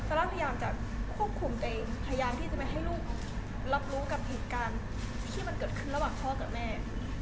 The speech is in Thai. ร่าพยายามจะควบคุมตัวเองพยายามที่จะไม่ให้ลูกรับรู้กับเหตุการณ์ที่มันเกิดขึ้นระหว่างพ่อกับแม่